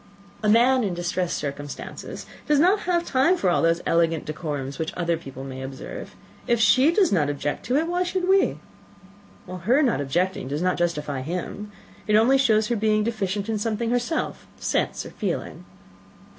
"A man in distressed circumstances has not time for all those elegant decorums which other people may observe. If she does not object to it, why should we?" "Her not objecting does not justify him. It only shows her being deficient in something herself sense or feeling."